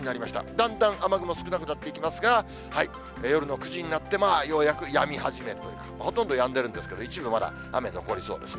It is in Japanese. だんだん、雨雲少なくなってきますが、夜の９時になって、まあ、ようやくやみ始めるという、ほとんどやんでるんですけど、一部まだ雨残りそうですね。